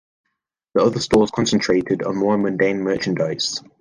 The other stalls concentrated on more mundane merchandise.